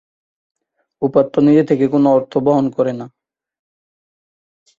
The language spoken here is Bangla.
উপাত্ত নিজে থেকে কোনো অর্থ বহন করে না।